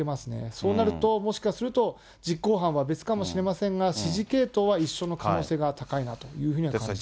そうなると、もしかすると、実行犯は別かもしれませんが、指示系統は一緒の可能性が高いなというふうには感じます。